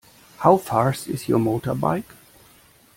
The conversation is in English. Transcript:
How fast is your motorbike?